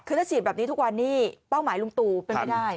คือถ้าฉีดแบบนี้ทุกวันนี้เป้าหมายลุงตู่เป็นไม่ได้